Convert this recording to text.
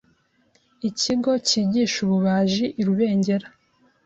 ikigo kigisha ububaji i Rubengera,